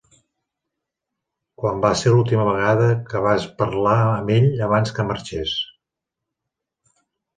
Quan va ser l'última vegada que vas parlar amb ell abans que marxés.